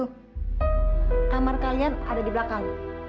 kamar kalian ada di belakang